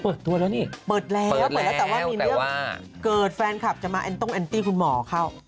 อเปิดแล้วเปิดแล้วแต่ว่ามีเรื่องเกิดแฟนคลับจะมาต้งแอนตี้คุณหมอเขา